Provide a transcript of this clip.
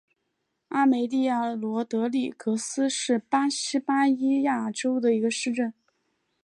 阿梅利娅罗德里格斯是巴西巴伊亚州的一个市镇。